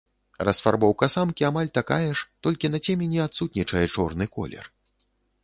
Расфарбоўка самкі амаль такая ж, толькі на цемені адсутнічае чорны колер.